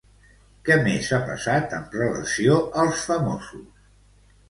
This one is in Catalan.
Què més ha passat amb relació als famosos?